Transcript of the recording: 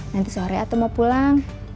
nanti sore atau mau pulang